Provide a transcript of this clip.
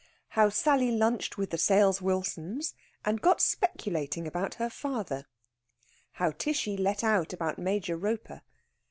HOW SALLY LUNCHED WITH THE SALES WILSONS, AND GOT SPECULATING ABOUT HER FATHER. HOW TISHY LET OUT ABOUT MAJOR ROPER.